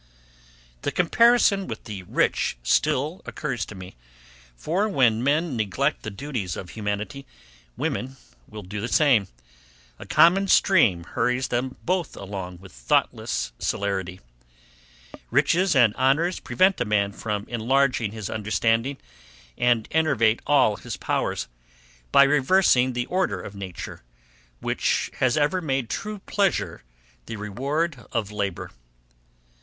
The comparison with the rich still occurs to me; for, when men neglect the duties of humanity, women will do the same; a common stream hurries them both along with thoughtless celerity. Riches and honours prevent a man from enlarging his understanding, and enervate all his powers, by reversing the order of nature, which has ever made true pleasure the reward of labour.